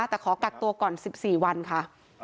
แต่ขอกักตัวก่อน๑๔วันค่ะ